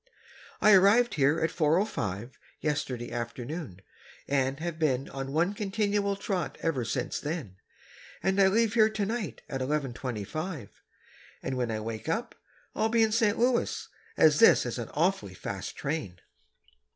I arrived here at 4:05 yesterday afternoon and have been on one continual trot ever since then, and I leave here tonight at 11:25, and when I wake up I'll be in St. Louis, as this is an awfully fast train....